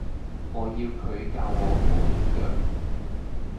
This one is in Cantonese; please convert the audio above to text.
我要佢教我無影腳